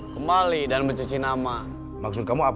kembali dan mencuci nama